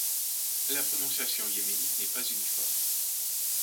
La prononciation yéménite n'est pas uniforme.